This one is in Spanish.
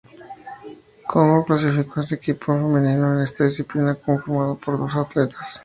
Congo clasificó a su equipo femenino en esta disciplina, conformado por dos atletas.